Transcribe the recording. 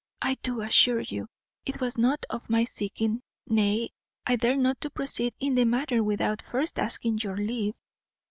I do assure you, it was not of my seeking, nay, I dare not proceed in the matter without first asking your leave.